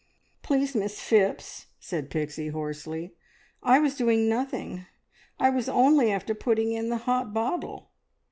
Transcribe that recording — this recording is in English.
"Please, Miss Phipps," said Pixie hoarsely, "I was doing nothing. I was only after putting in the hot bottle!"